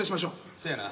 せやな。